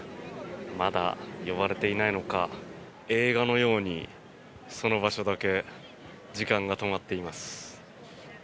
まだ呼ばれていないのか映画のようにその場所だけ時間が止まっています。